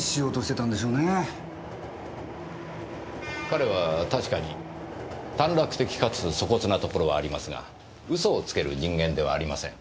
彼は確かに短絡的かつ粗こつなところはありますが嘘をつける人間ではありません。